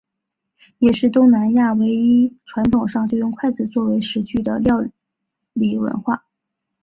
也是东南亚唯一传统上就用筷子作为食具的料理文化。